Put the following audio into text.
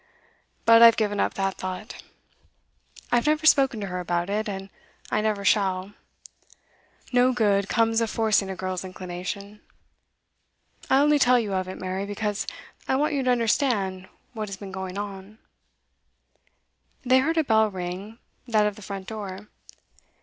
But I've given up that thought. I've never spoken to her about it, and I never shall; no good comes of forcing a girl's inclination. I only tell you of it, Mary, because I want you to understand what has been going on.' They heard a bell ring; that of the front door.